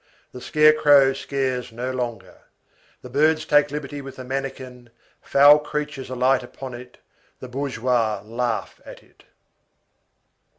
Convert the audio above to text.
The scare crow scares no longer. The birds take liberties with the mannikin, foul creatures alight upon it, the bourgeois laugh at it.